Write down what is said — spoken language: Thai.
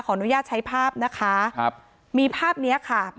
อนุญาตใช้ภาพนะคะครับมีภาพเนี้ยค่ะ